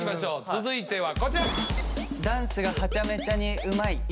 続いてはこちら。